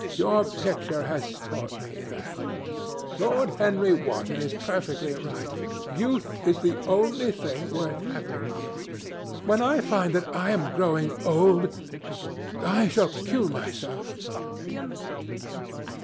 Your picture has taught me that. Lord Henry Wotton is perfectly right. Youth is the only thing worth having. When I find that I am growing old, I shall kill myself."